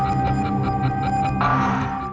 โปรดติดตามตอนต่อไป